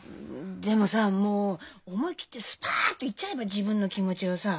でもさもう思い切ってスパッと言っちゃえば自分の気持ちをさ。